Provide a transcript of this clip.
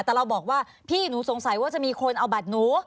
แต่เราบอกว่าพี่หนูสงสัยว่าจะมีคนเอาบัตรหนู